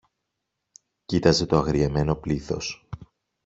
κοίταζε το αγριεμένο πλήθος.